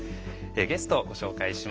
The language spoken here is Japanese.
ゲストをご紹介します。